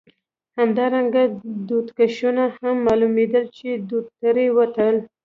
همدارنګه دودکشونه هم معلومېدل، چې دود ترې وتل.